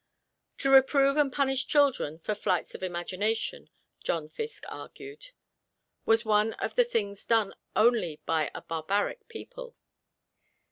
To reprove and punish children for flights of imagination, John Fiske argued, was one of the things done only by a barbaric people.